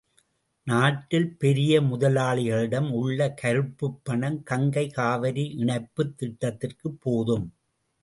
நாட்டில் பெரிய முதலாளிகளிடம் உள்ள கருப்புப் பணம் கங்கை காவிரி இணைப்புத் திட்டத்திற்குப் போதும்!